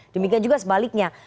demikian juga sebaliknya